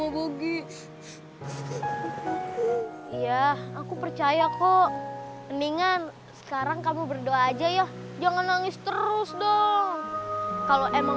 haa termasuk kalian termasuk kalian